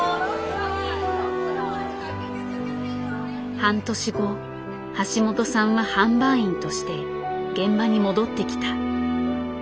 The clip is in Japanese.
半年後橋本さんは販売員として現場に戻ってきた。